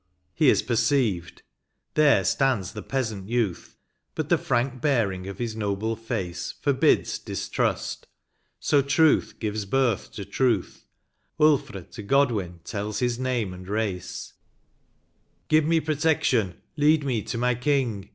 He is perceived ;— there stands the peasant youth, But the frank bearing of his noble face Forbids distrust ; so truth gives hirth to truth, Ulfr to Godwin tells his name and race, " Give me protection, lead me to my king.